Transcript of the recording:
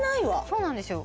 そうなんですよ。